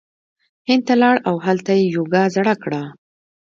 هند ته لاړ او هلته یی یوګا زړه کړه